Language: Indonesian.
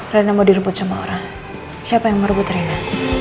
rena mau direbut sama orang siapa yang merebut rena